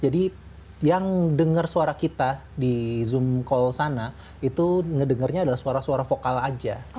jadi yang dengar suara kita di zoom call sana itu dengarnya adalah suara suara vokal aja